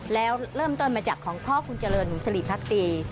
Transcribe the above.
แล้วเริ่มต้นมาจากของพ่อคุณเจริญหนูสิริพักตี